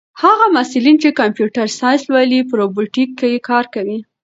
هغه محصلین چې کمپیوټر ساینس لولي په روبوټیک کې کار کوي.